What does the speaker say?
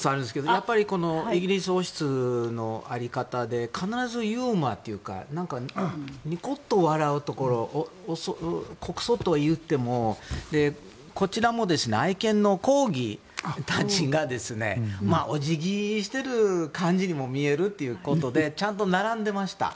やっぱりイギリス王室のやり方で必ずユーモアというかニコッと笑うところ国葬といってもこちらも愛犬のコーギーたちがお辞儀してる感じにも見えるということでちゃんと並んでました。